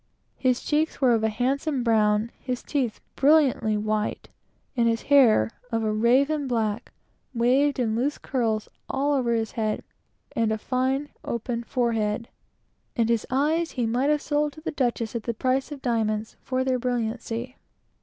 His cheeks were of a handsome brown; his teeth brilliantly white; and his hair, of a raven black, waved in loose curls all over his head, and fine, open forehead; and his eyes he might have sold to a duchess at the price of diamonds, for their brilliancy.